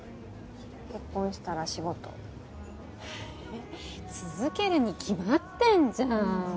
結婚したら仕事。え続けるに決まってんじゃん。